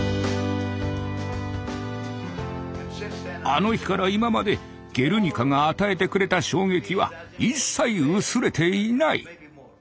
あの日から今まで「ゲルニカ」が与えてくれた衝撃は一切薄れていない。